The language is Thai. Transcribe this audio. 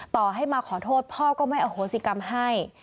ต่อให้มาขอโทษพ่อก็ไม่อโหสิกรรมให้